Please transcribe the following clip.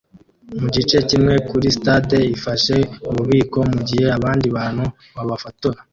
mugice kimwe kuri stade ifashe ububiko mugihe abandi bantu babafotora